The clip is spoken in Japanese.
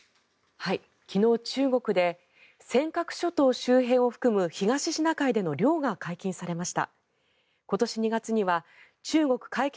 昨日、中国で尖閣諸島周辺を含む東シナ海での漁が解禁されました。